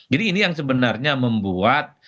jadi ini yang sebenarnya membuat